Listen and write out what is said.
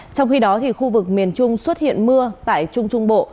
trong khi đó khu vực miền trung xuất hiện mưa tại trung trung bộ